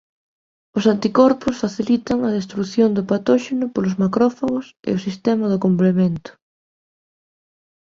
Os anticorpos facilitan a destrución do patóxeno polos macrófagos e o sistema do complemento.